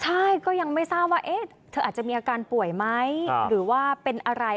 ใช่ก็ยังไม่ทราบว่าเธออาจจะมีอาการป่วยไหมหรือว่าเป็นอะไร